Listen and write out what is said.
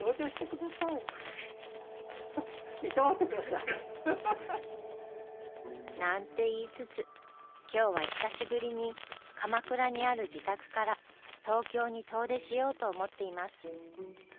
そうよ。なんて言いつつ今日は久しぶりに鎌倉にある自宅から東京に遠出しようと思っています。